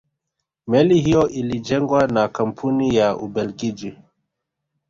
meli hiyo ilijengwa na kampuni ya ubelgiji